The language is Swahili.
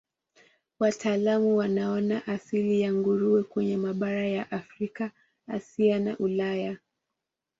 Wataalamu wanaona asili ya nguruwe kwenye mabara ya Afrika, Asia na Ulaya.